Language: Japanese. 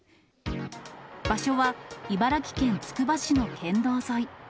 場所は、茨城県つくば市の県道沿い。